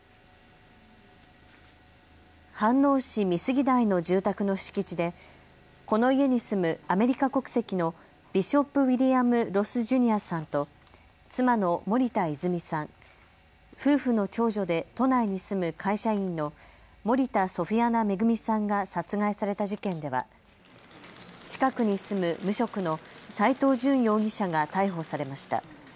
飯能市美杉台の住宅の敷地でこの家に住むアメリカ国籍のビショップ・ウィリアム・ロス・ジュニアさんと、妻の森田泉さん、夫婦の長女で都内に住む会社員の森田ソフィアナ恵さんが殺害された事件では近くに住む無職の斎藤淳容疑者が逮捕されました。